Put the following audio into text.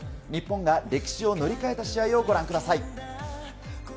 日本が歴史を塗り替えた試合をご覧ください。